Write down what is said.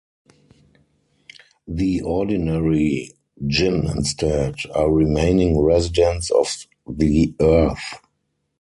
The ordinary Jinn instead, are remaining residents of the earth.